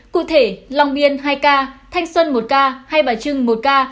cụ thể long biên hai ca thanh xuân một ca hai bà trưng một ca